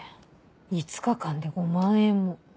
５日間で５万円も。